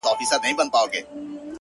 ما مي د هسک وطن له هسکو غرو غرور راوړئ-